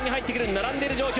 並んでいる状況。